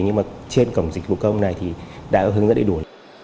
nhưng mà trên cổng dịch vụ công này thì đã hướng dẫn đầy đủ